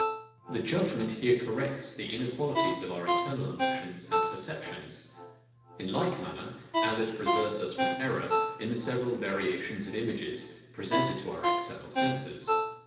The judgement here corrects the inequalities of our internal emotions and perceptions; in like manner, as it preserves us from error, in the several variations of images, presented to our external senses.